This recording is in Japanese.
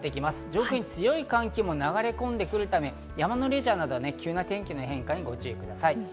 上空に強い寒気も流れ込んでくるため、山のレジャーなどは天気の変化などにご注意ください。